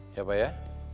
iya pak ya